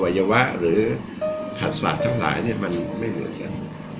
วัยวะหรือขัดศาสตร์ทั้งหลายมันไม่เหมือนกัน